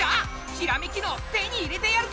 ひらめき脳手に入れてやるぜ！